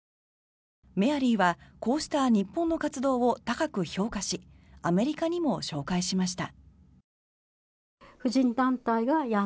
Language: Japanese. メアリーはこうした日本の活動を高く評価しアメリカにも紹介しました。